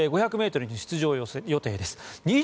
５００ｍに出場予定です。